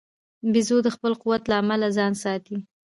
بیزو د خپل قوت له امله ځان ساتي.